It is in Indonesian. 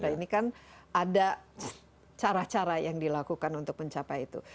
ini kan ada cara cara yang dilakukan untuk mencapai itu